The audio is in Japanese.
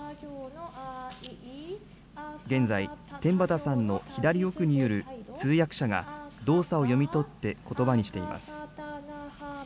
現在、天畠さんの左奥にいる通訳者が、動作を読み取ってことばにしています。